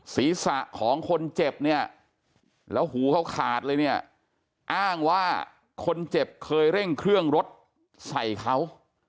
ศีรษะของคนเจ็บเนี่ยแล้วหูเขาขาดเลยเนี่ยอ้างว่าคนเจ็บเคยเร่งเครื่องรถใส่เขา